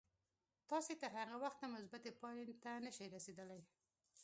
تاسې تر هغه وخته مثبتې پايلې ته نه شئ رسېدای.